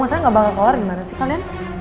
maksudnya gak bakal kelar gimana sih kalian